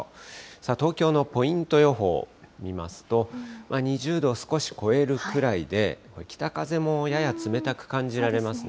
さあ、東京のポイント予報見ますと、２０度を少し超えるくらいで、北風もやや冷たく感じられますね。